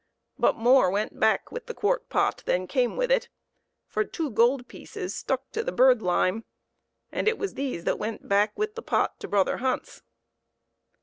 But more went back with the quart pot than came with it, for two gold pieces stuck to the bird lime, and it was these that went back with the pot to brother Hans.